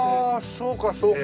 そうかそうか。